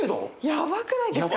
やばくないですか。